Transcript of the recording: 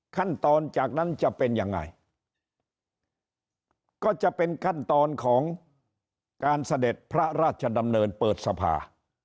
ขั้นตอนจากนั้นจะเป็นยังไงก็จะเป็นขั้นตอนของการเสด็จพระราชดำเนินเปิดสภา